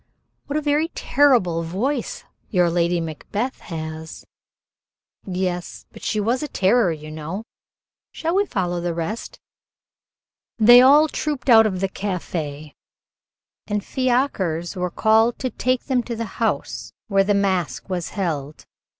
"What a very terrible voice your Lady Macbeth has!" "Yes; but she was a terror, you know. Shall we follow the rest?" They all trooped out of the café, and fiacres were called to take them to the house where the mask was held.